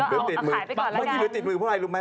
เมื่อกี้เหลือติดมือเพราะอะไรรู้ไหม